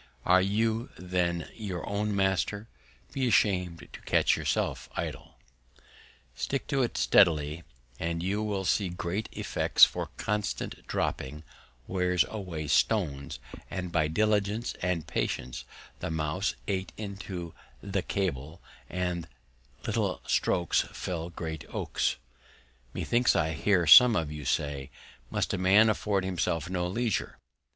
Are you then your own Master, be ashamed to catch yourself idle. Stick to it steadily; and you will see great Effects, for Constant Dropping wears away Stones, and by Diligence and Patience the Mouse ate in two the Cable; and Little Strokes fell great Oaks. Methinks I hear some of you say, Must a Man afford himself no Leisure?